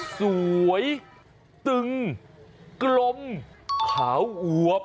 สวยตึงกลมขาวอวบ